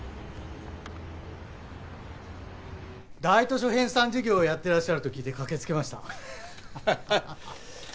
大図書編さん事業をやってらっしゃると聞いて駆け付けました。